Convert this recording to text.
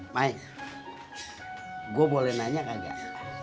mai gue boleh nanya kagak